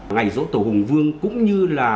ngày dỗ tổ hùng vương cũng như là